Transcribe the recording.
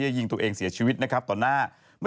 ที่จะยิงตัวเองได้เสียชีวิตนะครับตอนหน้า